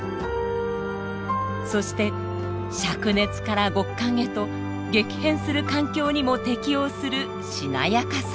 そして灼熱から極寒へと激変する環境にも適応するしなやかさ。